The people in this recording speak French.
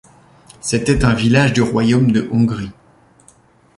C'était un village du royaume de Hongrie.